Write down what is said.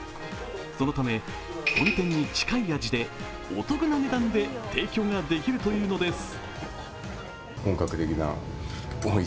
そのため本店に近い味でお得な値段で提供できるというのです。